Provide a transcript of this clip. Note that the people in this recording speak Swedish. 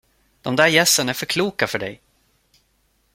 De där gässen är för kloka för dig.